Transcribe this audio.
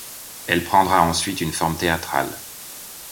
Elle prendra ensuite une forme théâtrale.